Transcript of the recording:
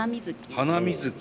「ハナミズキ」。